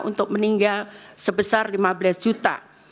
untuk meninggal sebesar lima belas juta